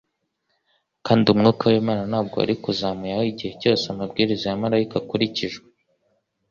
Kandi Umwuka w'Imana ntabwo wari kuzamuyaho igihe cyose amabwiriza ya Malayika akurikijwe.